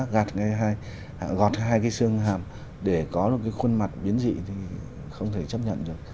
gọt hai cái xương hàm để có một cái khuôn mặt biến dị thì không thể chấp nhận được